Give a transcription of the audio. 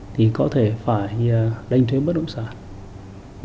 thì có thể phải đánh thuế bất động sản